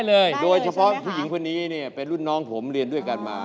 ได้เลยใช่ไหมคะโดยเฉพาะผู้หญิงคนนี้เป็นรุ่นน้องผมเรียนด้วยกันมา